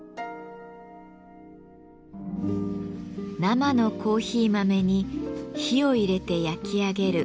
生のコーヒー豆に火を入れて焼き上げる「焙煎」。